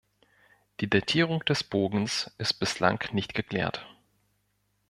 Die Datierung des Bogens ist bislang nicht geklärt.